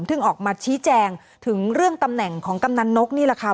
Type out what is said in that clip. ออกมาชี้แจงถึงเรื่องตำแหน่งของกำนันนกนี่แหละค่ะ